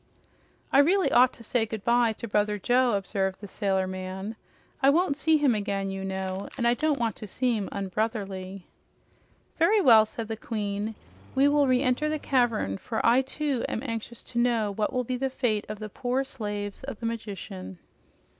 "I really ought to say goodbye to Brother Joe," observed the sailor man. "I won't see him again, you know, and I don't want to seem unbrotherly." "Very well," said the Queen, "we will reenter the cavern, for I, too, am anxious to know what will be the fate of the poor slaves of the magician."